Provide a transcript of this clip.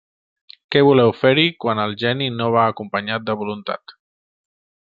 ¿què voleu fer-hi quan el geni no va acompanyat de voluntat?